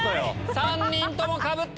３人ともかぶって！